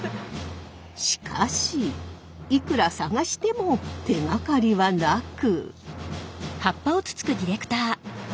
しかしいくら探しても手がかりはなく。